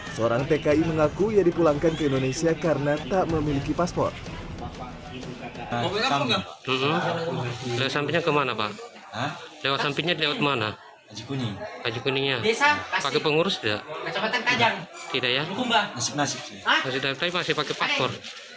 seorang tki mengaku ia dipulangkan ke indonesia karena tak memiliki paspor